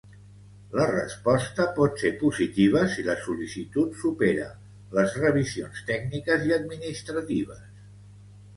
La resposta pot ser positiva si la sol·licitud supera les revisions tècniques i administratives.